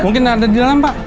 mungkin ada di dalam pak